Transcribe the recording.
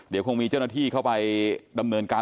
เดี๋ยวคงมีเจ้าหน้าที่เข้าไปดำเนินการ